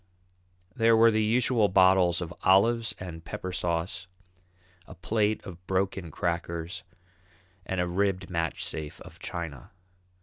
There were the usual bottles of olives and pepper sauce, a plate of broken crackers, and a ribbed match safe of china.